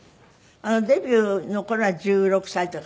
デビューの頃は１６歳とかそのぐらい？